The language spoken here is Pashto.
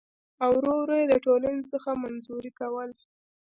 او ور ور يې د ټـولنـې څـخـه منـزوي کـول .